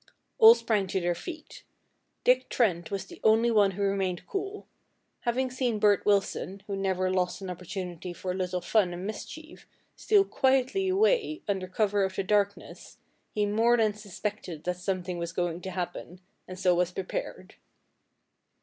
All sprang to their feet. Dick Trent was the only one who remained cool. Having seen Bert Wilson (who never lost an opportunity for a little fun and mischief) steal quietly away under cover of the darkness, he more than suspected that something was going to happen, and so was prepared.